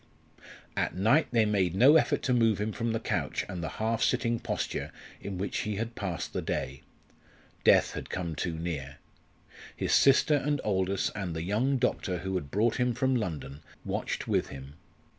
At night they made no effort to move him from the couch and the half sitting posture in which he had passed the day. Death had come too near. His sister and Aldous and the young doctor who had brought him from London watched with him.